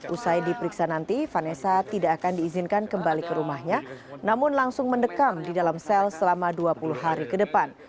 usai diperiksa nanti vanessa tidak akan diizinkan kembali ke rumahnya namun langsung mendekam di dalam sel selama dua puluh hari ke depan